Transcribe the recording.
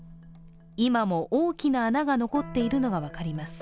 今も大きな穴が残っているのが分かります。